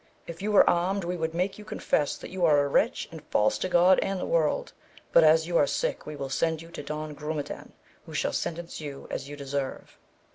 if you were armed we would make you confess that you are a wretch and false to God and the world, but as you are sick we will send you to Don Grumedan, who shall sentence you as you deserve.